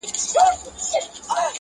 بُت خانه به مي د زړه لکه حرم کا,